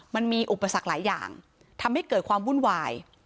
มันมีอุปสรรคหลายอย่างทำให้เกิดความวุ่นวาย